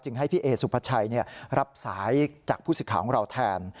ให้พี่เอสุภาชัยรับสายจากผู้สิทธิ์ของเราแทน